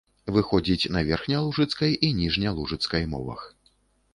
Выходзіць на верхнялужыцкай і ніжнялужыцкай мовах.